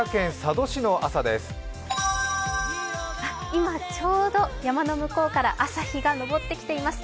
今、ちょうど山の向こうから朝日が昇ってきています。